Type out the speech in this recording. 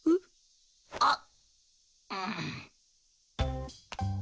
あっ。